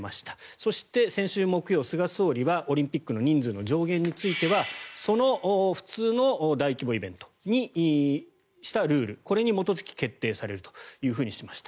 そして先週木曜日菅総理はオリンピックの人数の上限についてはその普通の大規模イベントにしたルールこれに基づき決定されるというふうにしました。